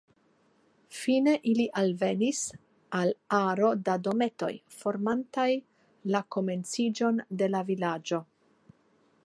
Fine ili alvenis al aro da dometoj, formantaj la komenciĝon de la vilaĝo.